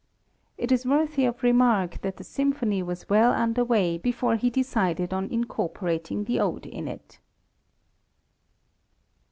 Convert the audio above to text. It is worthy of remark that the Symphony was well under way before he decided on incorporating the Ode in it.